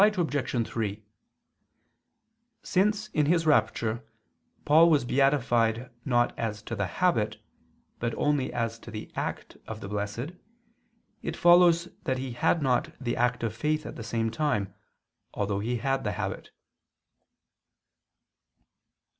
Reply Obj. 3: Since, in his rapture, Paul was beatified not as to the habit, but only as to the act of the blessed, it follows that he had not the act of faith at the same time, although he had the habit.